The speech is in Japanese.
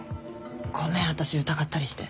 ごめん私疑ったりして。